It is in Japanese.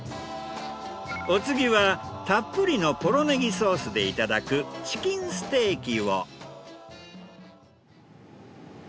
お次はたっぷりのポロネギソースでいただくチキンステーキを。